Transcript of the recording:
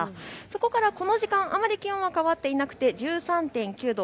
そこからこの時間、あまり気温は変わっていなくて１３．９度。